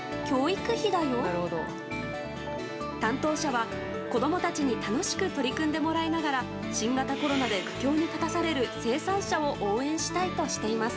担当者は、子供たちに楽しく取り組んでもらいながら新型コロナで苦境に立たされる生産者を応援したいとしています。